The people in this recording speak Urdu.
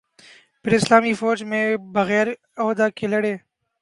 پھر اسلامی فوج میں بغیر عہدہ کے لڑے